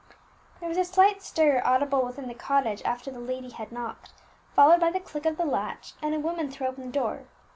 There was a slight stir audible within the cottage after the lady had knocked, followed by the click of the latch, and a woman threw open the door.